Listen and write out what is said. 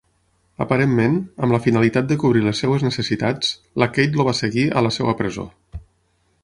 Aparentment, amb la finalitat de cobrir les seves necessitats, la Kate el va seguir a la seva presó.